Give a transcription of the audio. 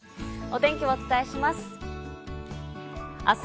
お天気をお伝えします。